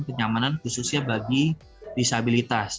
kenyamanan khususnya bagi disabilitas